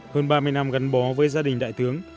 hơn ba mươi năm gắn bó với gia đình đại tướng